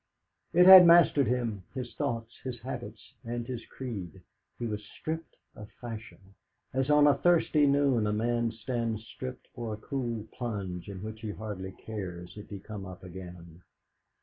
It had mastered him, his thoughts, his habits, and his creed; he was stripped of fashion, as on a thirsty noon a man stands stripped for a cool plunge from which he hardly cares if he come up again.